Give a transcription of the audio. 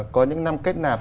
có những năm kết nạp